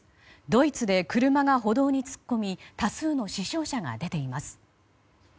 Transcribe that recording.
ドイツで車が歩道に突っ込み多数の死傷者が出ています。